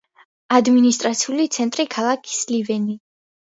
ადმინისტრაციული ცენტრია ქალაქი სლივენი.